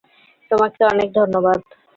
তোমাকে অনেক ধন্যবাদ।